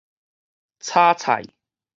炒菜